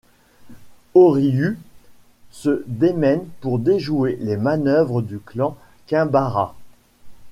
Oryū se démène pour déjouer les manœuvres du clan Kinbara.